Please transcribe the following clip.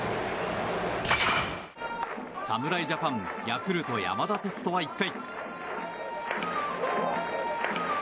侍ジャパン、ヤクルト山田哲人は１回。